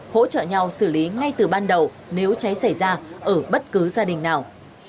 hỗ trợ nhau xử lý ngay từ ban đầu nếu cháy xảy ra ở bất cứ gia đình nào